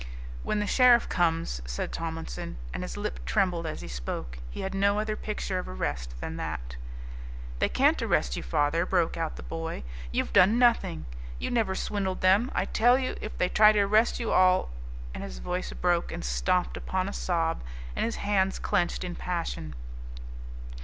"When the sheriff comes " said Tomlinson, and his lip trembled as he spoke. He had no other picture of arrest than that. "They can't arrest you, father," broke out the boy. "You've done nothing. You never swindled them. I tell you, if they try to arrest you, I'll " and his voice broke and stopped upon a sob, and his hands clenched in passion.